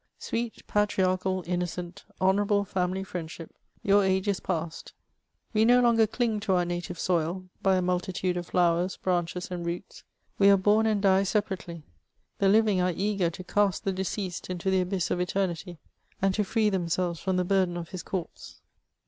Sweet, patriarchal, innocent, honourahle family friendship, your age is past ! We no longer cling to our nauve soil by a multitude of flowers, branches, and roots ; we are bom and die separately. The living are eager to cast the deceased into the abyss of etemibr, and to free themselveB from the burden of his corpse.